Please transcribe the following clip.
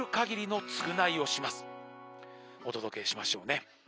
お届けしましょうね。